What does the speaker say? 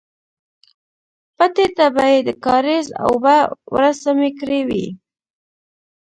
پټي ته به يې د کاريز اوبه ورسمې کړې وې.